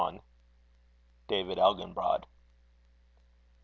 DAVID ELGINBROD.